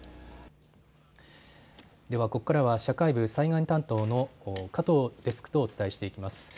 ここからは社会部災害担当の加藤デスクとお伝えしていきます。